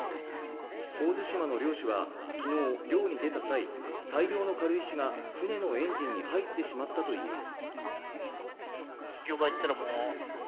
神津島の漁師は昨日漁に出た際大量の軽石が船のエンジンに入ってしまったといいます